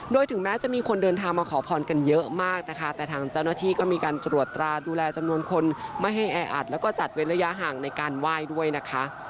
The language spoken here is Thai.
โดยถึงแม้จะมีคนเดินทางมาขอพรกันเยอะมากนะคะแต่ทางเจ้าหน้าที่ก็มีการตรวจตราดูแลจำนวนคนไม่ให้แออัดแล้วก็จัดเว้นระยะห่างในการไหว้ด้วยนะคะ